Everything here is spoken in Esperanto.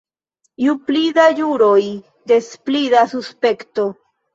Ju pli da ĵuroj, des pli da suspekto.